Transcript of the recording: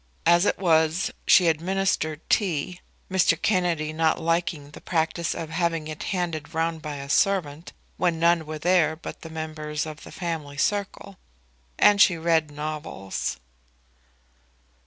As it was, she administered tea, Mr. Kennedy not liking the practice of having it handed round by a servant when none were there but members of the family circle, and she read novels.